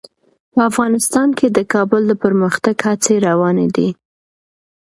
په افغانستان کې د کابل د پرمختګ هڅې روانې دي.